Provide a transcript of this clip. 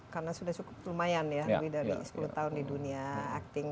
karena sudah cukup lumayan ya lebih dari sepuluh tahun di dunia acting